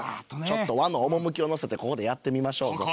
ちょっと和の趣を乗せてここでやってみましょうぞ。